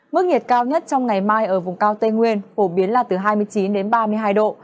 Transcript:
mức nhiệt cao nhất trong ngày mai ở vùng cao tây nguyên phổ biến là từ hai mươi chín đến ba mươi hai độ